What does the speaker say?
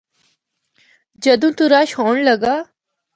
جدّوں تو رش ہونڑ لگا۔